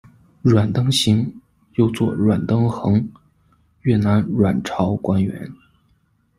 阮登洐，又作阮登珩，越南阮朝官员。